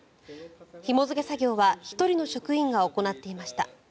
ひも付け作業は１人の職員が行っていました。